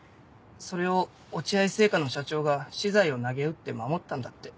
それを落合製菓の社長が私財をなげうって守ったんだって。